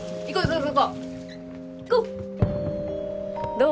どう？